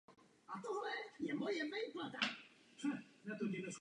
Vojáci mají i výhrady k samotnému střihu resp. ke kvalitě šití.